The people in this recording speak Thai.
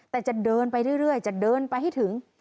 แต่จะเดินไปเรื่อยจะเดินไปให้ถึง